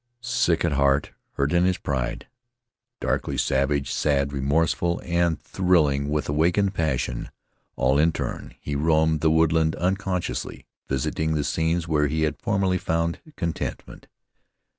Sick at heart, hurt in his pride, darkly savage, sad, remorseful, and thrilling with awakened passion, all in turn, he roamed the woodland unconsciously visiting the scenes where he had formerly found contentment.